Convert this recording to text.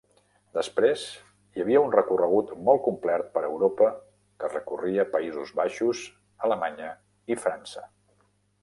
Després hi havia un recorregut molt complert per Europa que recorria Països Baixos, Alemanya i França.